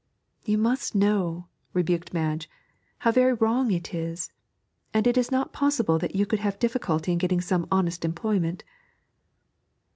'You must know,' rebuked Madge, 'how very wrong it is; and it is not possible that you could have difficulty in getting some honest employment.'